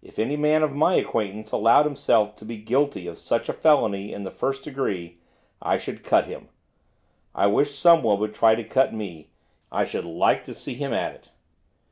If any man of my acquaintance allowed himself to be guilty of such a felony in the first degree, I should cut him. I wished someone would try to cut me, I should like to see him at it.